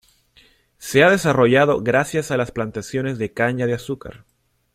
Se ha desarrollado gracias a las plantaciones de caña de azúcar.